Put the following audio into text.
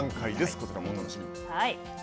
こちらもお楽しみに！